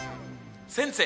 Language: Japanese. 先生